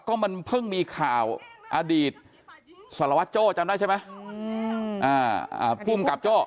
ก็มันเพิ่งมีข่าวอดีตสารวัตรโจจำได้ใช่ไหม